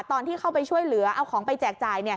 ตอนที่เข้าไปช่วยเหลือเอาของไปแจกจ่าย